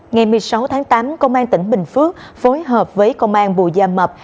ngày một mươi sáu tháng tám công an tỉnh bình phước phối hợp với công an bù gia mập